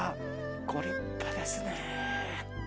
ご立派ですね。